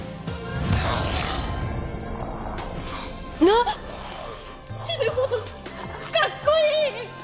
なっ⁉死ぬほどかっこいい！